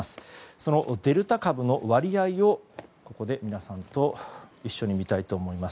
そのデルタ株の割合をここで皆さんと一緒に見たいと思います。